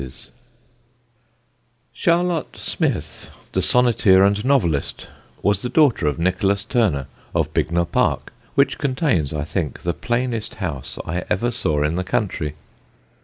[Sidenote: PARSON DORSET] Charlotte Smith, the sonneteer and novelist, was the daughter of Nicholas Turner, of Bignor Park, which contains, I think, the plainest house I ever saw in the country.